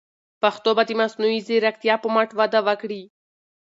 پښتو به د مصنوعي ځیرکتیا په مټ وده وکړي.